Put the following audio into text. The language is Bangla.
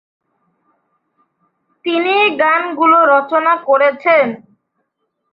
তিনিই গানগুলো রচনা করেছেন।